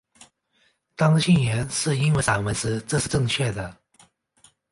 当信源是英文散文时这是正确的。